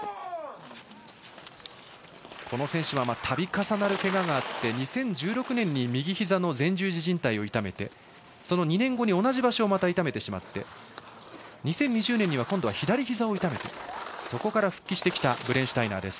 この選手は度重なるけががあり２０１６年に右ひざの前十字じん帯を痛めてその２年後に、同じ場所をまた痛めてしまって２０２０年に今度は左ひざを痛めそこから復帰してきました。